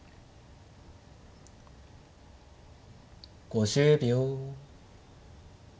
５０秒。